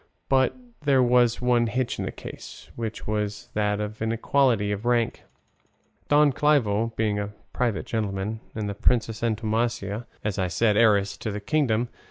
But there was one hitch in this case, which was that of inequality of rank, Don Clavijo being a private gentleman, and the Princess Antonomasia, as I said, heiress to the kingdom.